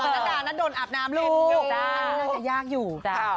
ตอนนั้นโดนอาบน้ำลูกน่าจะยากอยู่